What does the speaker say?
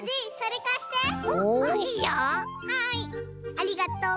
ありがとう。